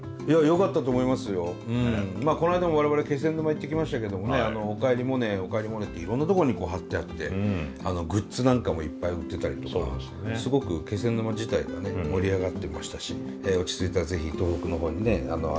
まあこの間も我々気仙沼行ってきましたけどもね「おかえりモネ」「おかえりモネ」っていろんなとこにこう貼ってあってグッズなんかもいっぱい売ってたりとかすごく気仙沼自体がね盛り上がってましたし落ち着いたら是非東北の方にね遊びに来てほしいなと思いますよ。